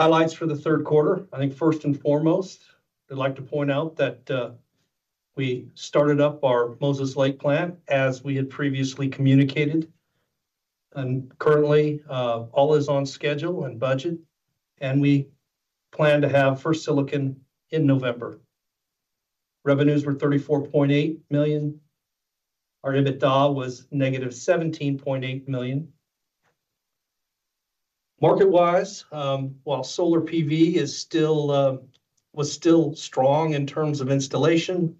Highlights for the third quarter. I think first and foremost, I'd like to point out that we started up our Moses Lake plant, as we had previously communicated. Currently, all is on schedule and budget, and we plan to have first silicon in November. Revenues were $34.8 million. Our EBITDA was -$17.8 million. Market-wise, while solar PV is still was still strong in terms of installation,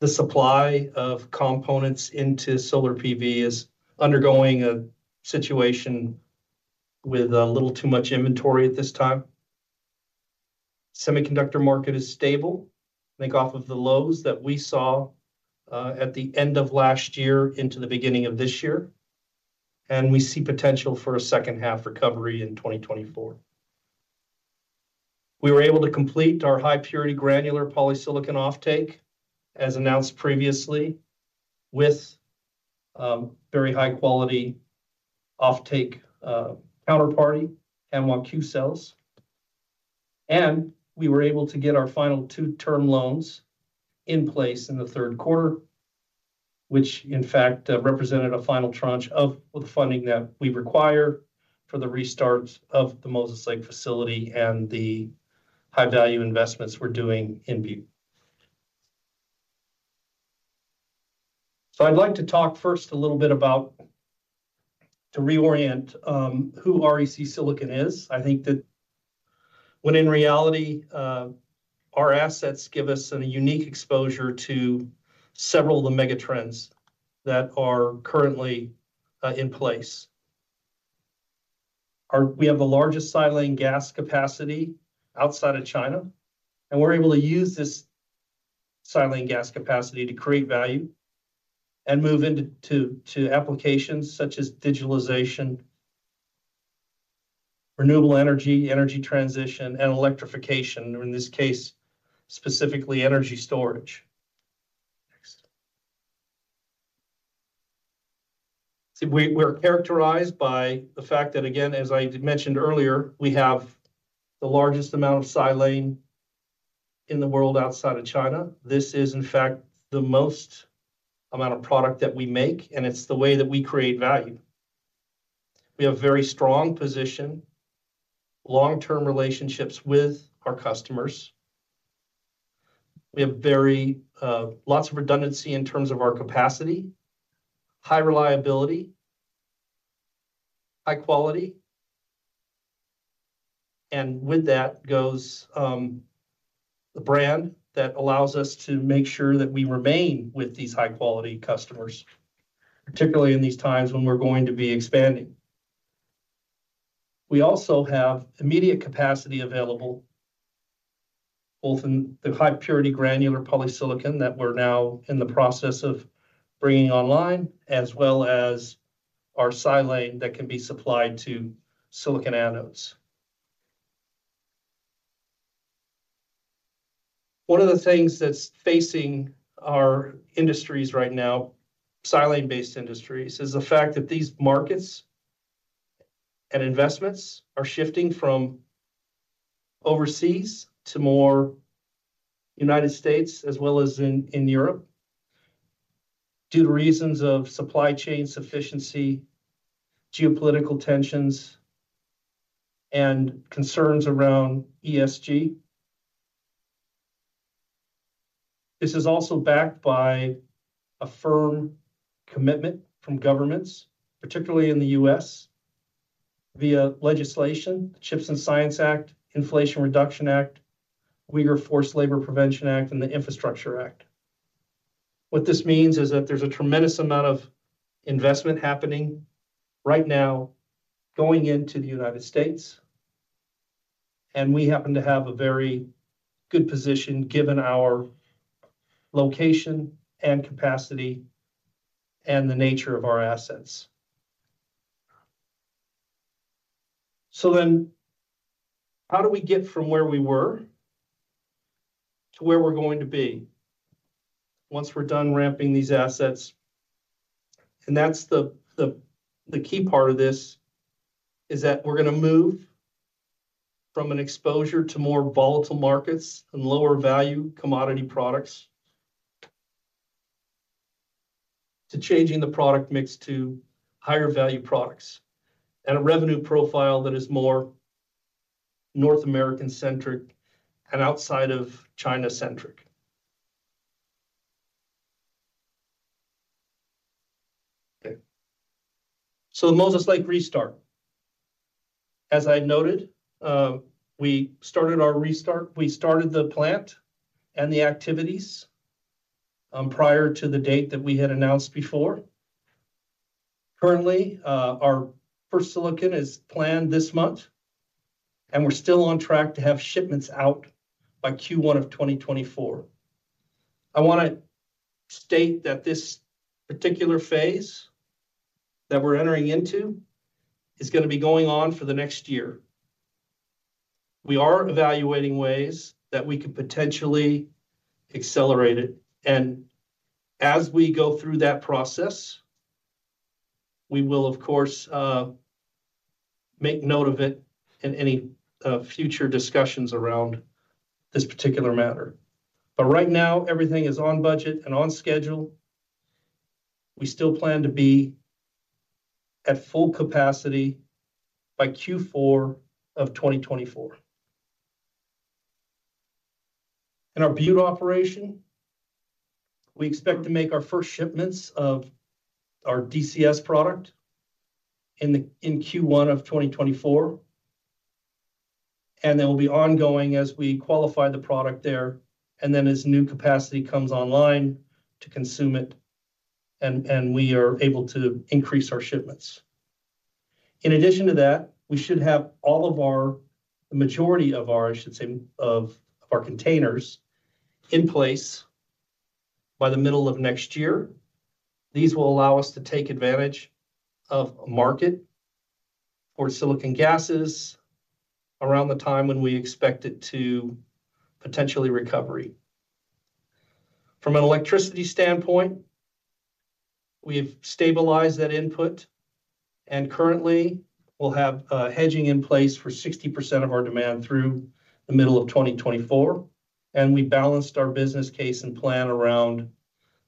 the supply of components into solar PV is undergoing a situation with a little too much inventory at this time. Semiconductor market is stable, I think off of the lows that we saw at the end of last year into the beginning of this year, and we see potential for a second half recovery in 2024. We were able to complete our high purity granular polysilicon offtake, as announced previously, with very high quality offtake counterparty, Hanwha Qcells. We were able to get our final two term loans in place in the third quarter, which in fact represented a final tranche of the funding that we require for the restart of the Moses Lake facility and the high value investments we're doing in Butte. I'd like to talk first a little bit about to reorient who REC Silicon is. I think that when in reality our assets give us a unique exposure to several of the mega trends that are currently in place. We have the largest silane gas capacity outside of China, and we're able to use this silane gas capacity to create value and move into to applications such as digitalization, renewable energy, energy transition, and electrification, or in this case, specifically, energy storage. Next. So we're characterized by the fact that, again, as I mentioned earlier, we have the largest amount of silane in the world outside of China. This is, in fact, the most amount of product that we make, and it's the way that we create value. We have very strong position, long-term relationships with our customers. We have very lots of redundancy in terms of our capacity, high reliability, high quality, and with that goes the brand that allows us to make sure that we remain with these high-quality customers, particularly in these times when we're going to be expanding. We also have immediate capacity available, both in the high purity granular polysilicon that we're now in the process of bringing online, as well as our silane that can be supplied to silicon anodes. One of the things that's facing our industries right now, silane-based industries, is the fact that these markets and investments are shifting from overseas to more United States as well as in Europe, due to reasons of supply chain sufficiency, geopolitical tensions, and concerns around ESG. This is also backed by a firm commitment from governments, particularly in the U.S., via legislation, CHIPS and Science Act, Inflation Reduction Act, Uyghur Forced Labor Prevention Act, and the Infrastructure Act. What this means is that there's a tremendous amount of investment happening right now, going into the United States, and we happen to have a very good position given our location and capacity and the nature of our assets. So then, how do we get from where we were to where we're going to be once we're done ramping these assets? And that's the key part of this, is that we're gonna move from an exposure to more volatile markets and lower value commodity products, to changing the product mix to higher value products, and a revenue profile that is more North American-centric and outside of China-centric. Okay. So the Moses Lake restart. As I noted, we started our restart, we started the plant and the activities, prior to the date that we had announced before. Currently, our first silicon is planned this month, and we're still on track to have shipments out by Q1 of 2024. I wanna state that this particular phase that we're entering into is gonna be going on for the next year. We are evaluating ways that we could potentially accelerate it, and as we go through that process, we will, of course, make note of it in any, future discussions around this particular matter. But right now, everything is on budget and on schedule. We still plan to be at full capacity by Q4 of 2024. In our Butte operation, we expect to make our first shipments of our DCS product in Q1 of 2024, and they will be ongoing as we qualify the product there, and then as new capacity comes online to consume it, and we are able to increase our shipments. In addition to that, we should have all of our—the majority of our, I should say, of our containers in place by the middle of next year. These will allow us to take advantage of market for silicon gases around the time when we expect it to potentially recover. From an electricity standpoint, we've stabilized that input, and currently, we'll have hedging in place for 60% of our demand through the middle of 2024, and we balanced our business case and plan around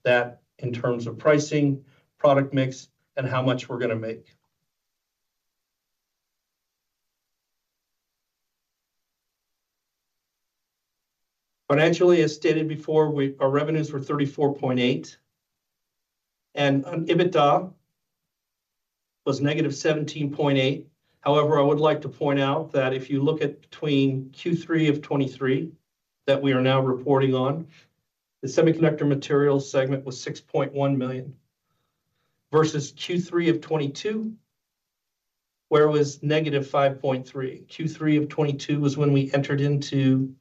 that in terms of pricing, product mix, and how much we're going to make. Financially, as stated before, our revenues were $34.8 million, and our EBITDA was -$17.8 million. However, I would like to point out that if you look at Q3 of 2023, that we are now reporting on, the semiconductor materials segment was $6.1 million, versus Q3 of 2022, where it was -$5.3 million. Q3 of 2022 was when we entered into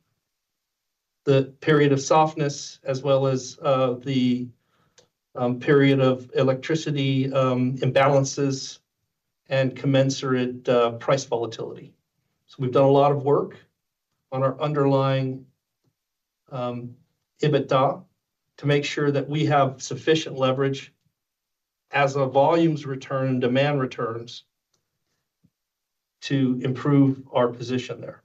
the period of softness, as well as the period of electricity imbalances and commensurate price volatility. So we've done a lot of work on our underlying EBITDA to make sure that we have sufficient leverage as the volumes return and demand returns to improve our position there.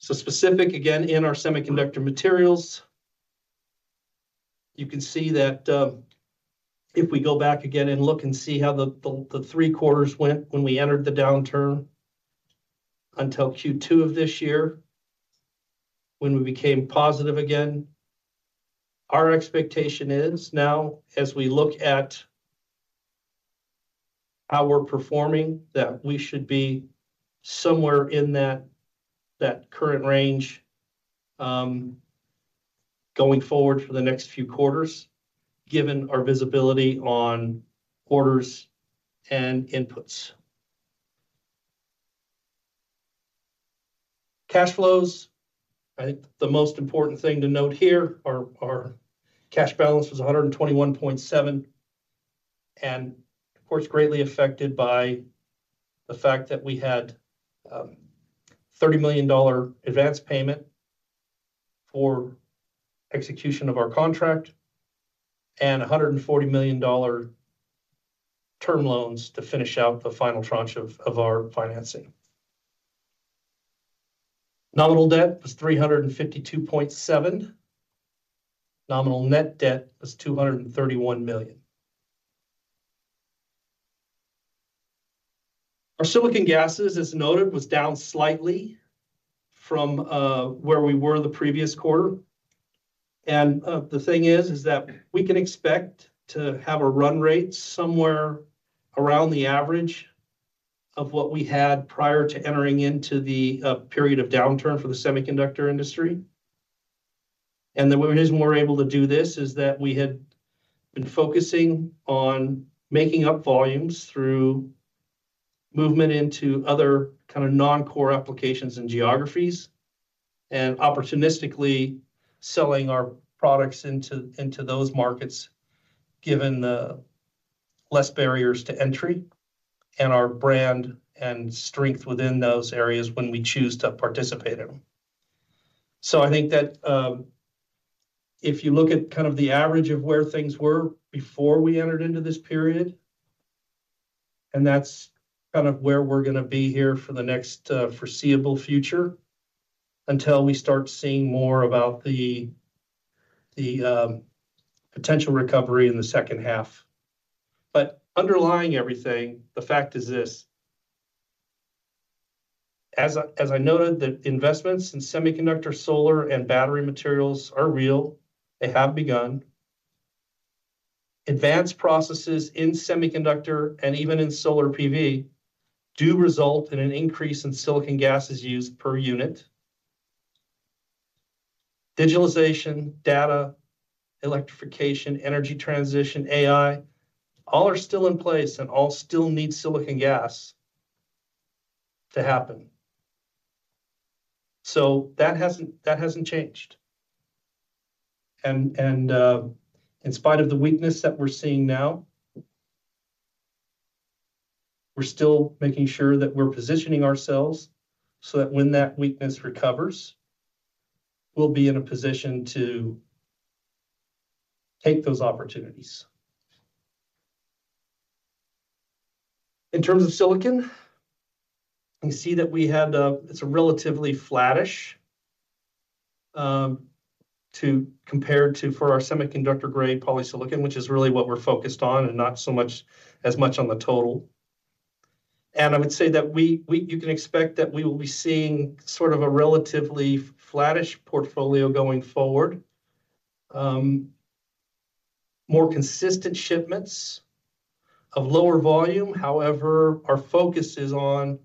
So specific, again, in our semiconductor materials, you can see that, if we go back again and look and see how the three quarters went when we entered the downturn until Q2 of this year, when we became positive again, our expectation is now, as we look at how we're performing, that we should be somewhere in that current range, going forward for the next few quarters, given our visibility on orders and inputs. Cash flows, I think the most important thing to note here, our, our cash balance was $121.7 million, and of course, greatly affected by the fact that we had $30 million advanced payment for execution of our contract and $140 million term loans to finish out the final tranche of our financing. Nominal debt was $352.7 million. Nominal net debt was $231 million. Our silicon gases, as noted, was down slightly from where we were the previous quarter. And the thing is, is that we can expect to have a run rate somewhere around the average of what we had prior to entering into the period of downturn for the semiconductor industry. And the reason we're able to do this is that we had been focusing on making up volumes through movement into other kind of non-core applications and geographies, and opportunistically selling our products into, into those markets, given the less barriers to entry and our brand and strength within those areas when we choose to participate in them. So I think that, if you look at kind of the average of where things were before we entered into this period, and that's kind of where we're going to be here for the next, foreseeable future, until we start seeing more about the, potential recovery in the second half. But underlying everything, the fact is this: as I noted, the investments in semiconductor, solar, and battery materials are real. They have begun. Advanced processes in semiconductor and even in solar PV do result in an increase in silicon gases used per unit. Digitalization, data, electrification, energy transition, AI, all are still in place and all still need silicon gas to happen. So that hasn't, that hasn't changed. And, and, in spite of the weakness that we're seeing now. We're still making sure that we're positioning ourselves, so that when that weakness recovers, we'll be in a position to take those opportunities. In terms of silicon, you see that we had, it's a relatively flattish, to compare to, for our semiconductor-grade polysilicon, which is really what we're focused on, and not so much, as much on the total. And I would say that we, we you can expect that we will be seeing sort of a relatively flattish portfolio going forward. More consistent shipments of lower volume. However, our focus is on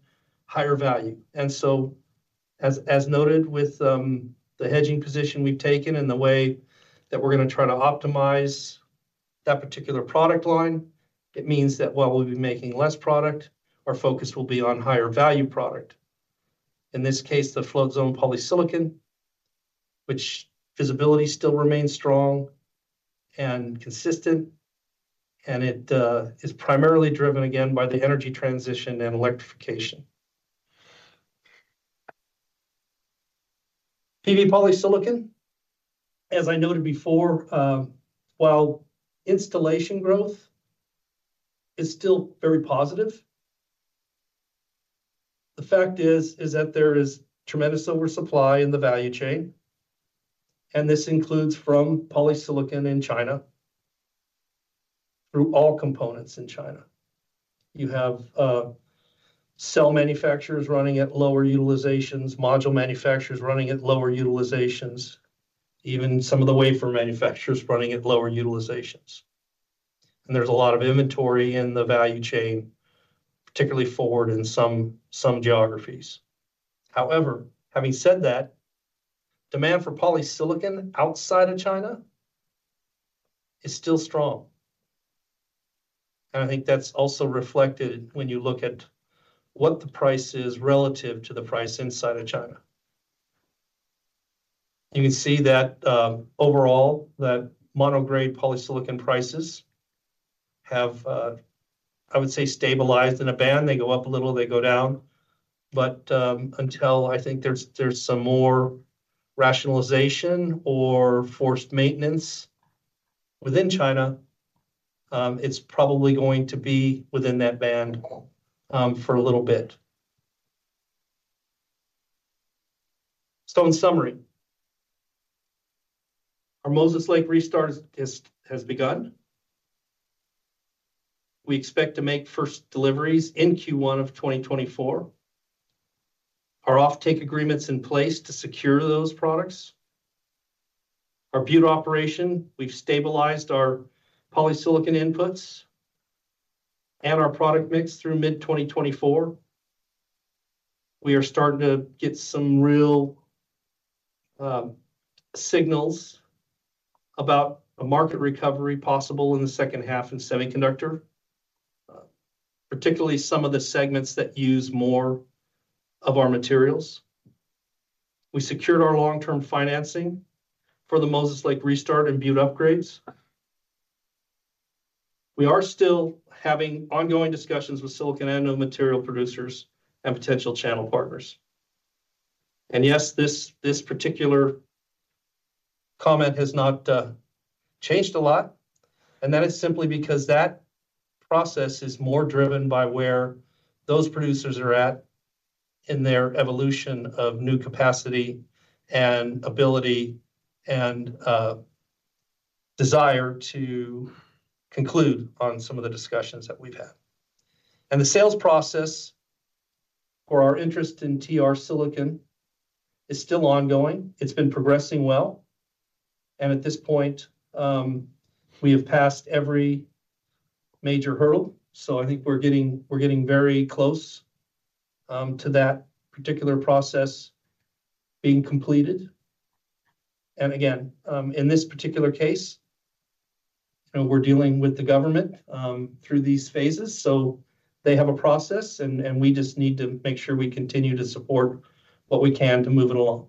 higher value. And so, as noted with the hedging position we've taken and the way that we're gonna try to optimize that particular product line, it means that while we'll be making less product, our focus will be on higher value product. In this case, the float-zone polysilicon, which visibility still remains strong and consistent, and it is primarily driven, again, by the energy transition and electrification. PV polysilicon, as I noted before, while installation growth is still very positive, the fact is that there is tremendous oversupply in the value chain, and this includes from polysilicon in China, through all components in China. You have cell manufacturers running at lower utilizations, module manufacturers running at lower utilizations, even some of the wafer manufacturers running at lower utilizations. There's a lot of inventory in the value chain, particularly forward in some geographies. However, having said that, demand for polysilicon outside of China is still strong, and I think that's also reflected when you look at what the price is relative to the price inside of China. You can see that, overall, that mono-grade polysilicon prices have, I would say, stabilized in a band. They go up a little, they go down. Until I think there's some more rationalization or forced maintenance within China, it's probably going to be within that band for a little bit. In summary, our Moses Lake restart has begun. We expect to make first deliveries in Q1 of 2024. Our offtake agreement's in place to secure those products. Our Butte operation, we've stabilised our polysilicon inputs and our product mix through mid-2024. We are starting to get some real signals about a market recovery possible in the second half in semiconductor, particularly some of the segments that use more of our materials. We secured our long-term financing for the Moses Lake restart and Butte upgrades. We are still having ongoing discussions with silicon anode material producers and potential channel partners. And yes, this, this particular comment has not changed a lot, and that is simply because that process is more driven by where those producers are at in their evolution of new capacity and ability, and desire to conclude on some of the discussions that we've had. And the sales process for our interest in TR Silicon is still ongoing. It's been progressing well, and at this point, we have passed every major hurdle. So I think we're getting very close to that particular process being completed. And again, in this particular case, you know, we're dealing with the government through these phases, so they have a process, and we just need to make sure we continue to support what we can to move it along.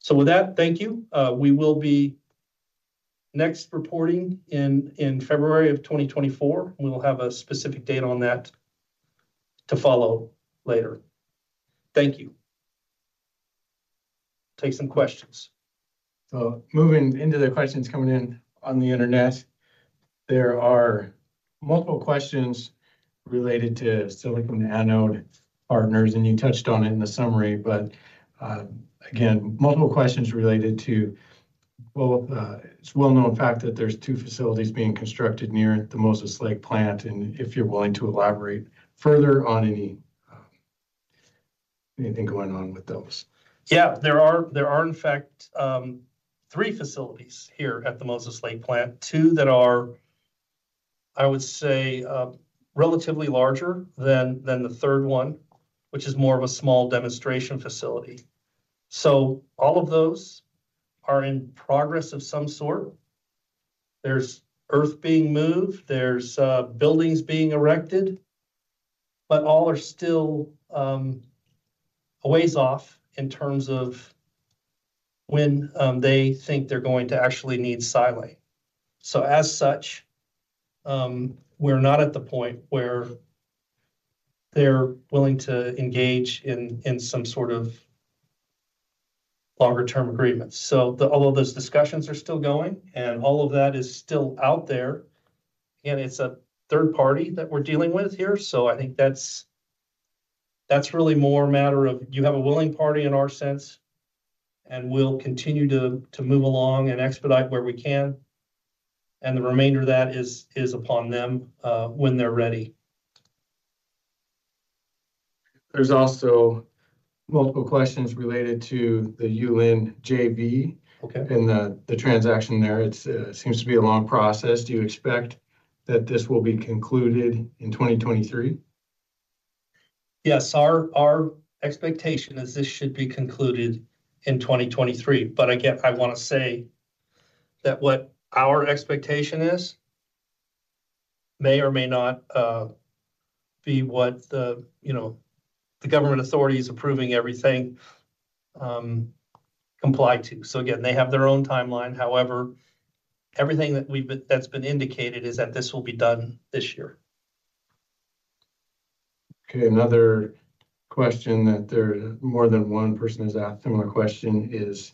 So with that, thank you. We will be next reporting in February of 2024. We will have a specific date on that to follow later. Thank you. Take some questions. So moving into the questions coming in on the internet, there are multiple questions related to silicon anode partners, and you touched on it in the summary. But, again, multiple questions related to... Well, it's a well-known fact that there's two facilities being constructed near the Moses Lake plant, and if you're willing to elaborate further on any, anything going on with those? Yeah, there are, in fact, three facilities here at the Moses Lake plant. Two that are, I would say, relatively larger than the third one, which is more of a small demonstration facility. So all of those are in progress of some sort. There's earth being moved, there's buildings being erected, but all are still a ways off in terms of when they think they're going to actually need silane. So as such, we're not at the point where they're willing to engage in some sort of longer term agreement. So, although those discussions are still going, and all of that is still out there, and it's a third party that we're dealing with here. So I think that's really more a matter of you have a willing party in our sense, and we'll continue to move along and expedite where we can, and the remainder of that is upon them when they're ready. There's also multiple questions related to the Yulin JV- Okay... and the transaction there. It seems to be a long process. Do you expect that this will be concluded in 2023? Yes, our expectation is this should be concluded in 2023. But again, I wanna say that what our expectation is, may or may not be what the, you know, the government authorities approving everything, comply to. So again, they have their own timeline. However, everything that we've been-- that's been indicated, is that this will be done this year. Okay, another question that there, more than one person has asked a similar question is: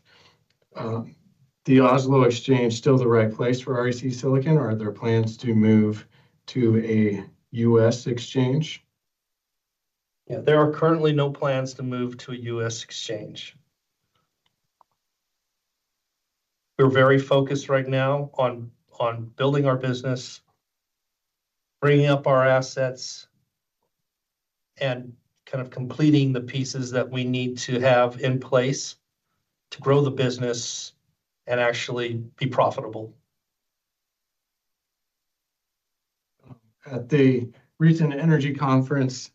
The Oslo Exchange still the right place for REC Silicon, or are there plans to move to a U.S. exchange? Yeah, there are currently no plans to move to a U.S. exchange. We're very focused right now on building our business, bringing up our assets, and kind of completing the pieces that we need to have in place to grow the business and actually be profitable. At the recent energy conference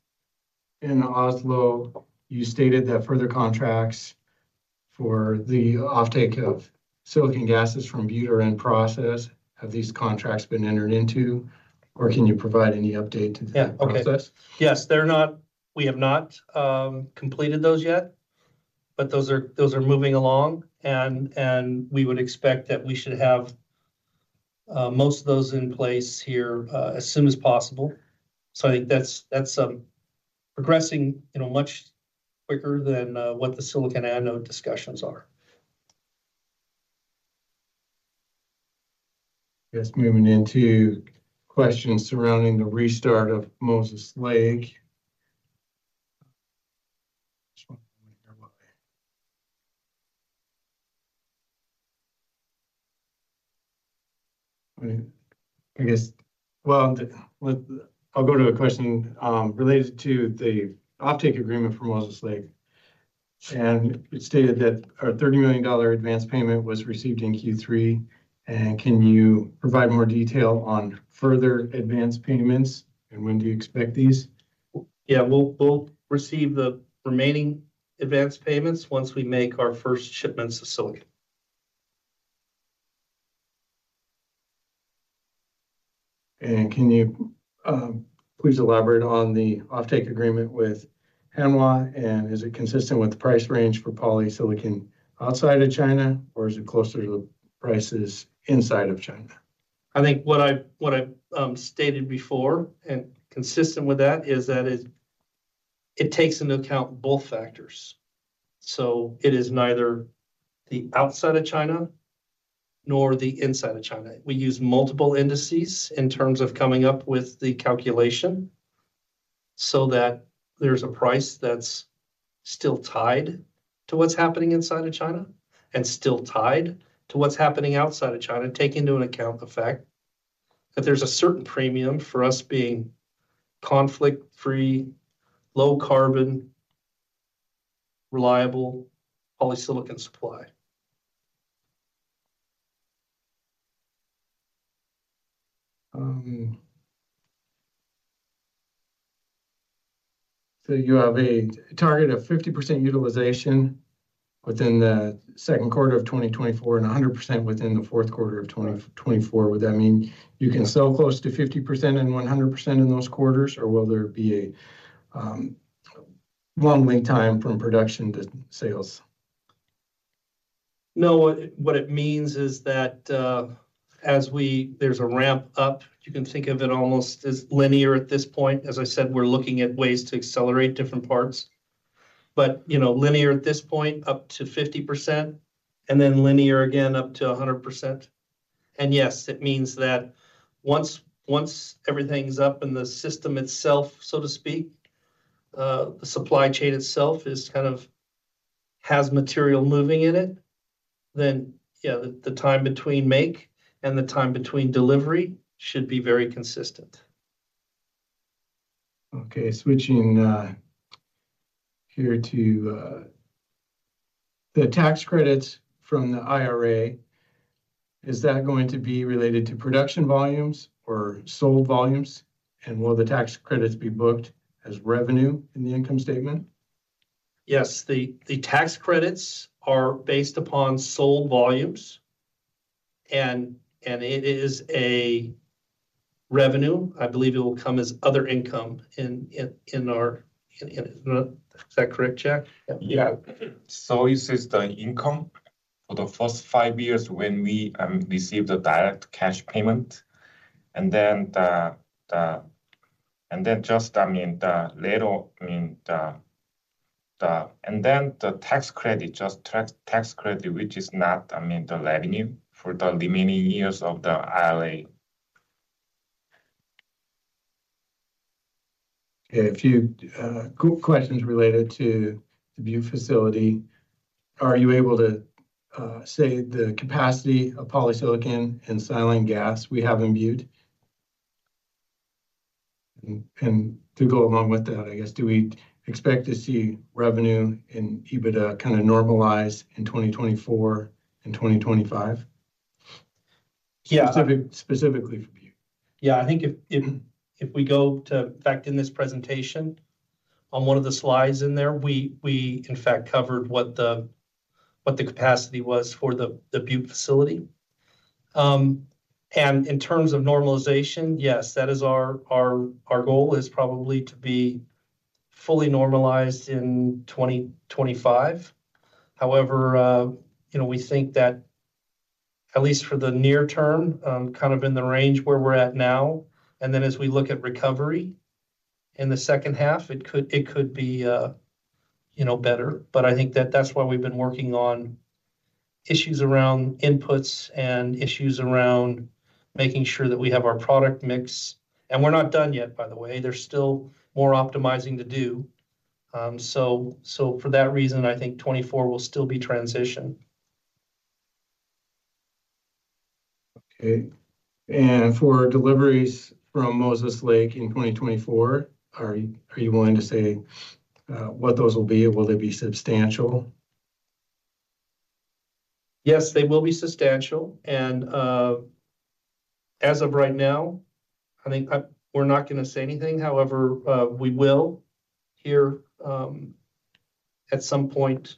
in Oslo, you stated that further contracts for the offtake of silicon gases from Butte are in process. Have these contracts been entered into, or can you provide any update to the process? Yeah. Okay. Yes, we have not completed those yet, but those are moving along, and we would expect that we should have most of those in place here as soon as possible. So I think that's progressing in a much quicker than what the silicon anode discussions are. Yes, moving into questions surrounding the restart of Moses Lake. Well, I'll go to a question related to the offtake agreement for Moses Lake. And it stated that a $30 million advance payment was received in Q3, and can you provide more detail on further advance payments, and when do you expect these? Yeah. We'll receive the remaining advance payments once we make our first shipments to silicon. Can you please elaborate on the offtake agreement with Hanwha, and is it consistent with the price range for polysilicon outside of China, or is it closer to the prices inside of China? I think what I've stated before, and consistent with that, is that it takes into account both factors. So it is neither the outside of China nor the inside of China. We use multiple indices in terms of coming up with the calculation, so that there's a price that's still tied to what's happening inside of China and still tied to what's happening outside of China, taking into account the fact that there's a certain premium for us being conflict free, low carbon, reliable, polysilicon supply. You have a target of 50% utilization within the second quarter of 2024, and 100% within the fourth quarter of 2024. Right. Would that mean you can sell close to 50% and 100% in those quarters, or will there be a long lead time from production to sales? No, what it means is that, as we—there's a ramp up, you can think of it almost as linear at this point. As I said, we're looking at ways to accelerate different parts. But, you know, linear at this point, up to 50%, and then linear again up to 100%. And yes, it means that once everything's up in the system itself, so to speak, the supply chain itself is kind of has material moving in it, then, yeah, the time between make and the time between delivery should be very consistent. Okay, switching here to the tax credits from the IRA, is that going to be related to production volumes or sold volumes? And will the tax credits be booked as revenue in the income statement? Yes, the tax credits are based upon sold volumes.... And it is a revenue, I believe it will come as other income in our, is that correct, Jack? Yeah. So this is the income for the first five years when we receive the direct cash payment, and then just, I mean, the tax credit, which is not, I mean, the revenue for the remaining years of the IRA. Okay, a few group questions related to the Butte facility. Are you able to say the capacity of polysilicon and silane gas we have in Butte? And, and to go along with that, I guess, do we expect to see revenue and EBITDA kind of normalize in 2024 and 2025? Yeah. Specifically from Butte. Yeah, I think if we go back in this presentation, on one of the slides in there, we in fact covered what the capacity was for the Butte facility. And in terms of normalization, yes, that is our goal is probably to be fully normalized in 2025. However, you know, we think that at least for the near term, kind of in the range where we're at now, and then as we look at recovery in the second half, it could be, you know, better. But I think that that's why we've been working on issues around inputs and issues around making sure that we have our product mix. And we're not done yet, by the way. There's still more optimizing to do. So, for that reason, I think 2024 will still be transition. Okay. And for deliveries from Moses Lake in 2024, are you, are you willing to say what those will be? Will they be substantial? Yes, they will be substantial. And, as of right now, I think we're not gonna say anything. However, we will hear, at some point,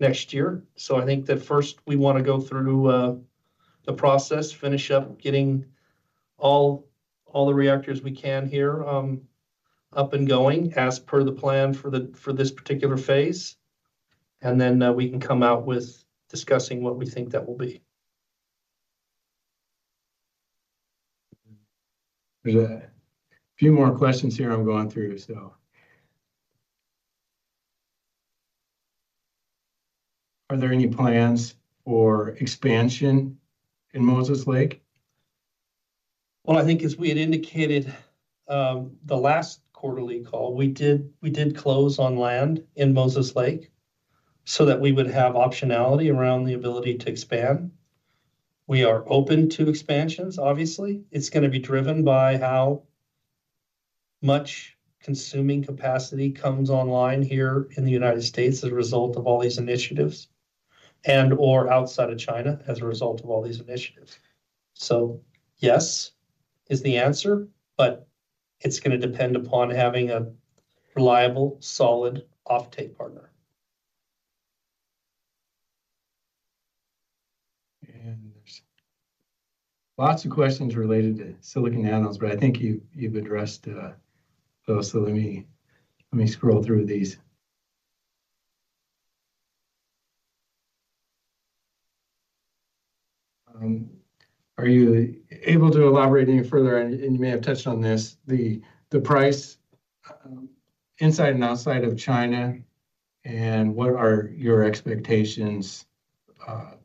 next year. So I think that first we wanna go through the process, finish up getting all the reactors we can here up and going as per the plan for this particular phase. And then, we can come out with discussing what we think that will be. There's a few more questions here I'm going through, so... Are there any plans for expansion in Moses Lake? Well, I think as we had indicated, the last quarterly call, we did close on land in Moses Lake so that we would have optionality around the ability to expand. We are open to expansions, obviously. It's gonna be driven by how much consuming capacity comes online here in the United States as a result of all these initiatives, and/or outside of China as a result of all these initiatives. So yes, is the answer, but it's gonna depend upon having a reliable, solid offtake partner. There's lots of questions related to silicon anodes, but I think you've addressed those. So let me scroll through these. Are you able to elaborate any further, and you may have touched on this, the price inside and outside of China, and what are your expectations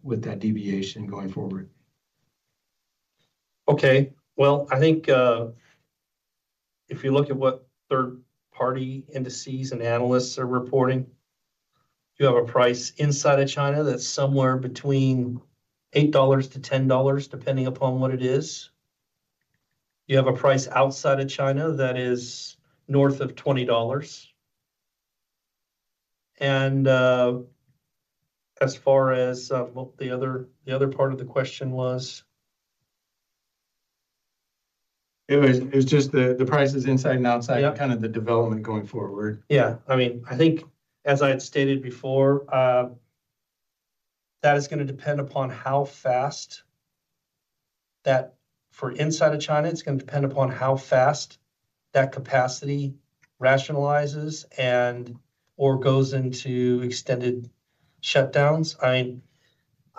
with that deviation going forward? Okay. Well, I think, if you look at what third-party indices and analysts are reporting, you have a price inside of China that's somewhere between $8-$10, depending upon what it is. You have a price outside of China that is north of $20. And, as far as, what the other, the other part of the question was? It was just the prices inside and outside- Yeah... kind of the development going forward. Yeah. I mean, I think as I had stated before, that is gonna depend upon how fast that—for inside of China, it's gonna depend upon how fast that capacity rationalizes and/or goes into extended shutdowns.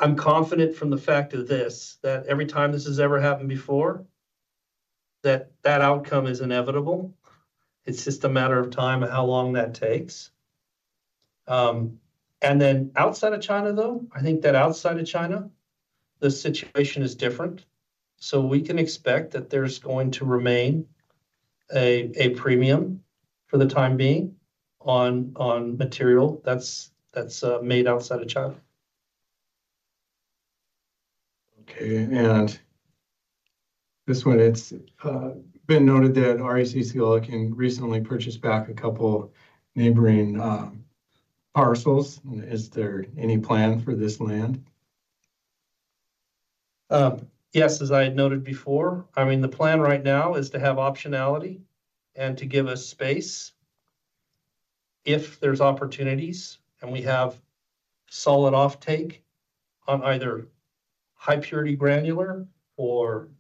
I'm confident from the fact of this, that every time this has ever happened before, that that outcome is inevitable. It's just a matter of time of how long that takes. And then outside of China, though, I think that outside of China, the situation is different. So we can expect that there's going to remain a premium for the time being on material that's made outside of China. Okay, and this one, it's been noted that REC Silicon recently purchased back a couple neighboring parcels. Is there any plan for this land? Yes, as I had noted before, I mean, the plan right now is to have optionality and to give us space if there's opportunities, and we have solid offtake on either high-purity granular or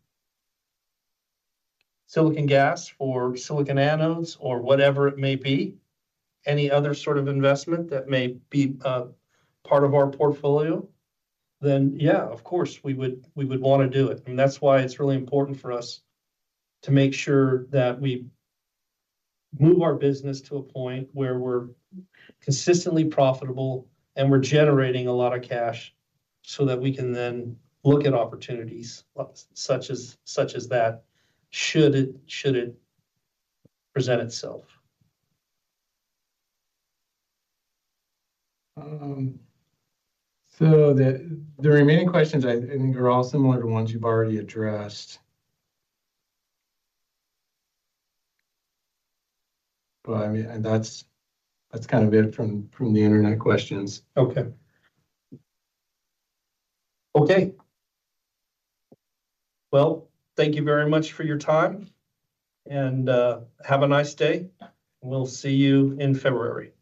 silicon gas, or silicon anodes, or whatever it may be, any other sort of investment that may be part of our portfolio, then yeah, of course, we would, we would want to do it. That's why it's really important for us to make sure that we move our business to a point where we're consistently profitable and we're generating a lot of cash, so that we can then look at opportunities, such as, such as that, should it, should it present itself. So the remaining questions, and are all similar to ones you've already addressed. But I mean, that's kind of it from the internet questions. Okay. Okay. Well, thank you very much for your time, and have a nice day. We'll see you in February.